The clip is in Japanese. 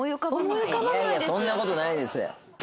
いやいやそんな事ないです！